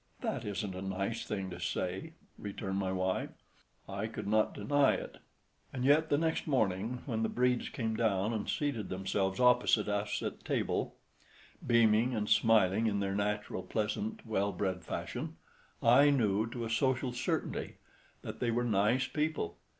"That isn't a nice thing to say," returned my wife. I could not deny it. And yet, the next morning, when the Bredes came down and seated themselves opposite us at table, beaming and smiling in their natural, pleasant, well bred fashion, I knew, to a social certainty, that they were "nice" people.